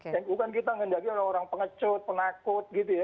dan bukan kita gendagi orang orang pengecut penakut gitu ya